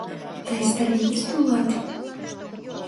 — Тый сталинист улат?